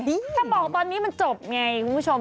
ถ้าบอกตอนนี้มันจบไงคุณผู้ชม